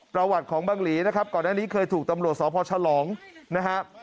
ประวัติของบังหลีนะครับก่อนหน้านี้เคยถูกตำรวจสพฉลองนะครับ